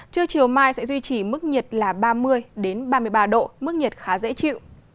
trưa chiều mai sẽ duy trì mức nhiệt là ba mươi ba mươi ba độ mức nhiệt khá dễ chịu